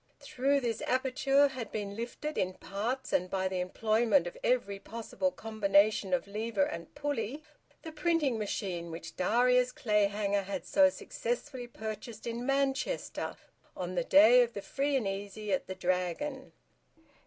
Through this aperture had been lifted, in parts and by the employment of every possible combination of lever and pulley, the printing machine which Darius Clayhanger had so successfully purchased in Manchester on the day of the free and easy at the Dragon.